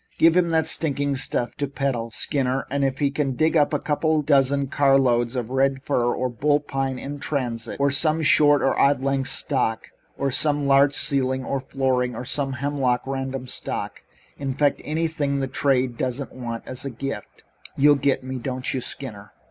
"Give him that stinking stuff to peddle, Skinner, and if you can dig up a couple of dozen carloads of red fir or bull pine in transit, or some short or odd length stock, or some larch ceiling or flooring, or some hemlock random stock in fact, anything the trade doesn't want as a gift you get me, don't you, Skinner?"